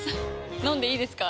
飲んでいいですか？